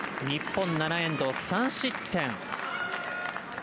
日本７エンド、３失点。